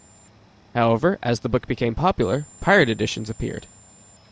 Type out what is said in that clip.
However, as the book became popular, pirate editions appeared.